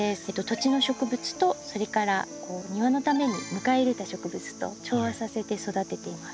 土地の植物とそれから庭のために迎え入れた植物と調和させて育てています。